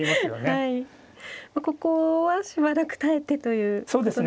ここはしばらく耐えてということなんですね。